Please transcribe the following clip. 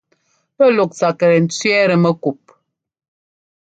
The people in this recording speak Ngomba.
Pɛ́ luk tsaklɛ cwiɛ́tɛ mɛkup.